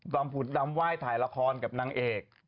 ผุดดำไหว้ถ่ายละครกับนางเอก